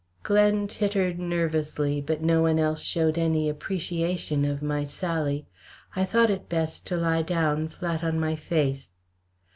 Glen tittered nervously, but no one else showed any appreciation of my sally. I thought it best to lie down flat on my face.